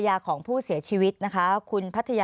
อันดับสุดท้ายแก่มือ